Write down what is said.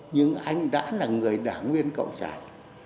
nhưng anh đã là người đảng viên cộng sản